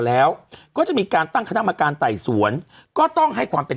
แล้วก็จะมีการตั้งคณะกรรมการไต่สวนก็ต้องให้ความเป็น